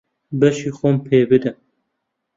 بەشی خۆمم پێ بدە.